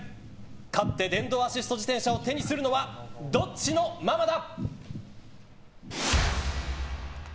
買って電動アシスト自転車を手にするのはどっちのママだ！？